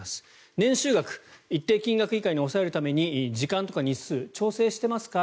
年収額、一定金額以下に抑えるために時間とか日数を調整してますか？